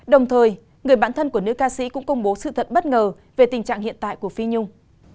đồng thời người bạn thân của nữ ca sĩ cũng công bố sự thật bất ngờ về tình trạng hiện tại của phi nhung